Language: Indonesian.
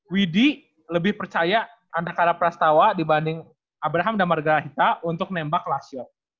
widhi lebih percaya antara prasatawa dibanding abraham dan margara hita untuk nembak last shot